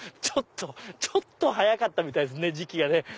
ちょっと早かったみたいですね時期がね。